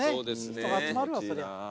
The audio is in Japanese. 人が集まるわそりゃ。